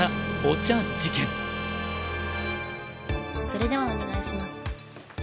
それではお願いします。